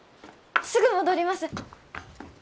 すぐ戻ります。